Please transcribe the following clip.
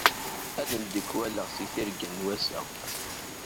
Ad d-ndekwaleɣ seg tirga-w n wass.